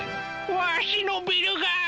わしのビルが！